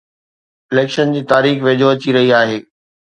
election جي تاريخ ويجهو اچي رهي آهي